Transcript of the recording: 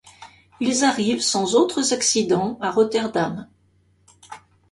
Ils arrivent sans autres accidents à Rotterdam.